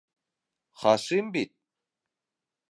— Хашим бит...